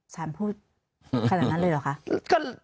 ฉันพูดขนาดนั้นเลยเหรอคะ